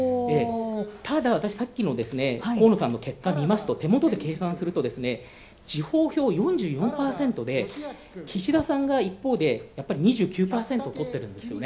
ただ、私、さっきの河野さんの結果を見ますと手元で計算すると地方票４４％で岸田さんが一方で、２９％とっているんですよね。